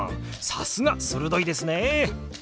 さすが鋭いですね！